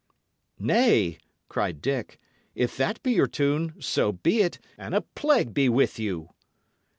"Nay," cried Dick, "if that be your tune, so be it, and a plague be with you!"